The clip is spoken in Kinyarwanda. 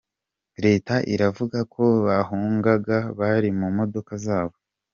Leta iravuga ko bahungaga bari mu modoka zabo.